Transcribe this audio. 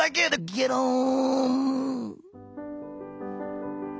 ゲローン。